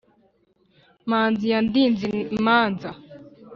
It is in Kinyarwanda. manzi yandinze imanza,